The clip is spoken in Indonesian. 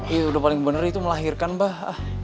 ya udah paling bener itu melahirkan mbah